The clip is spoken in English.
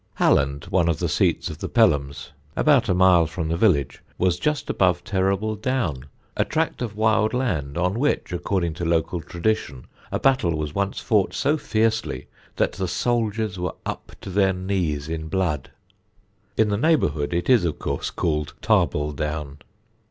Halland, one of the seats of the Pelhams, about a mile from the village, was just above Terrible Down, a tract of wild land, on which, according to local tradition, a battle was once fought so fiercely that the soldiers were up to their knees in blood. In the neighbourhood it is, of course, called Tarble Down.